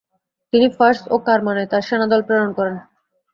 তিনি ফারস ও করমানে তার সেনাদল প্রেরণ করেন।